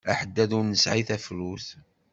Aḥeddad ur nesɛi tafrut!